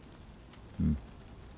うん。